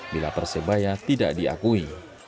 bila persebaya tidak diakui